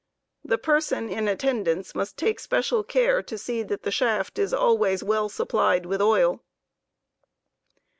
The person in attendance must take special care to see that the shaft is always well supplied with oil.